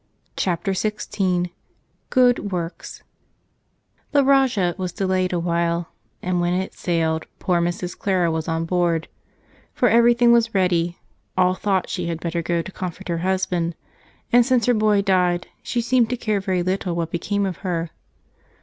Chapter 16 GOOD WORKS The Rajah was delayed awhile, and when it sailed poor Mrs. Clara was on board, for everything was ready. All thought she had better go to comfort her husband, and since her boy died she seemed to care very little what became of her.